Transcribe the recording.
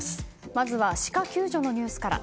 まずはシカ救助のニュースから。